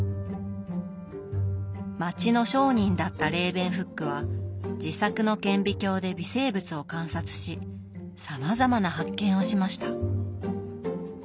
町の商人だったレーベンフックは自作の顕微鏡で微生物を観察しさまざまな発見をしました。